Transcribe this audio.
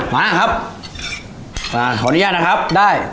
มาครับขออนุญาตนะครับได้